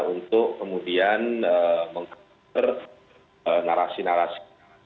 untuk kemudian mengketer narasi narasi